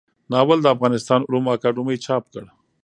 ناول د افغانستان علومو اکاډمۍ چاپ کړ.